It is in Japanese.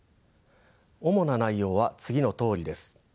主な内容は次のとおりです。